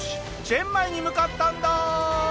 チェンマイに向かったんだ！